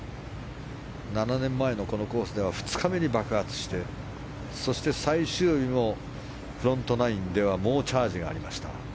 ７年前のこのコースでは２日目に爆発してそして最終日もフロントナインでは猛チャージがありました。